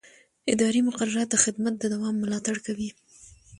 اداري مقررات د خدمت د دوام ملاتړ کوي.